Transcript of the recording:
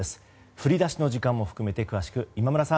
降り出しの時間も含めて詳しく今村さん